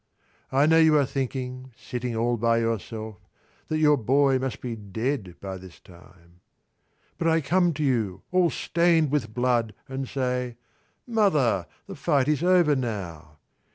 I know you are thinking, sitting all by yourself, that your boy must be dead by this time. But I come to you all stained with blood, and say, "Mother, the fight is over now."